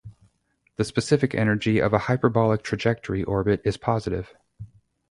The specific energy of a hyperbolic trajectory orbit is positive.